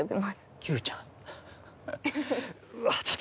うわっ。